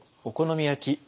「お好み焼き」。